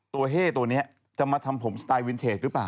เฮ่ตัวนี้จะมาทำผมสไตล์วินเทจหรือเปล่า